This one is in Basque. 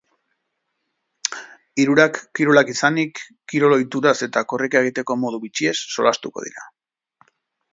Hirurak kirolak izanik, kirol ohiturez eta korrika egiteko modu bitxiez solastuko dira.